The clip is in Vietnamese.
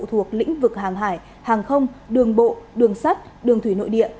thuộc lĩnh vực hàng hải hàng không đường bộ đường sắt đường thủy nội địa